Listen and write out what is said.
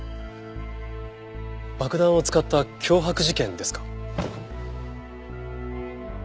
爆弾を使った脅迫事件ですか。